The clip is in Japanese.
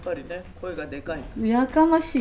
声がでかいか。やかましい。